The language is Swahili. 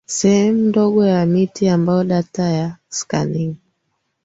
sehemu ndogo ya miti ambayo data ya skanning